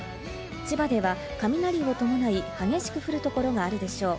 千葉では雷を伴い、激しく降る所があるでしょう。